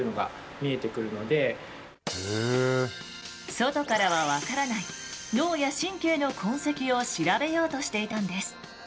外からは分からない脳や神経の痕跡を調べようとしていたんです。